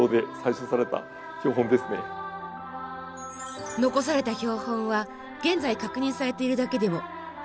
残された標本は現在確認されているだけでも２４１点。